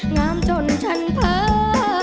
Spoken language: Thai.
งามจนฉันเพ้อ